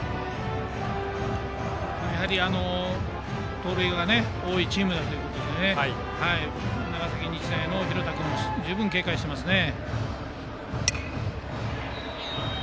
盗塁が多いチームだということで長崎日大の廣田君は十分警戒していますね。